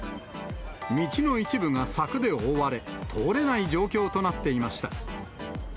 道の一部が柵で覆われ、通れない状況となっていました。